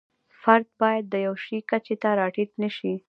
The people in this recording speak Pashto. فرد باید د یوه شي کچې ته را ټیټ نشي.